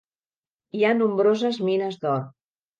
Hi ha nombroses mines d'or.